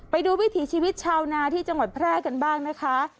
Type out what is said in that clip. วิถีชีวิตชาวนาที่จังหวัดแพร่กันบ้างนะคะ